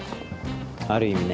ある意味ね。